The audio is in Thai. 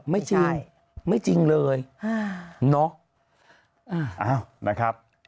ไม่จริงไม่จริงเลยเนาะนะครับ